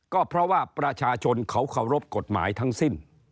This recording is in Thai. ก็เพราะว่าประชาชนเขาเคารพกฎหมายทั้งสิ้น